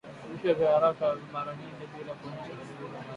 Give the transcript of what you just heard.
Vifo vya haraka mara nyingi bila kuonyesha dalili za maradhi